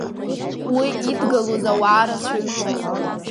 Уи идгылоз ауаа рацәаҩхеит.